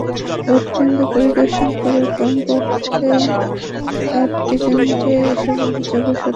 ভোটকেন্দ্র পরিদর্শন করে কমপক্ষে চারটি কেন্দ্রে এসব অভিযোগের সত্যতা পাওয়া যায়।